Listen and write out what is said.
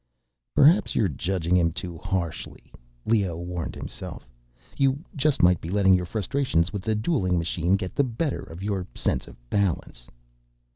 Perhaps you're judging him too harshly, Leoh warned himself. _You just might be letting your frustrations with the dueling machine get the better of your sense of balance.